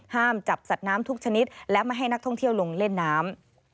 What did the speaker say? จับสัตว์น้ำทุกชนิดและไม่ให้นักท่องเที่ยวลงเล่นน้ำ